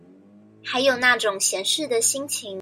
還有那種閒適的心情